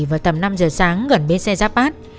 vào tầm năm giờ sáng gần bến xe giáp bát